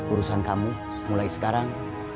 urusan kamu mulai sekarang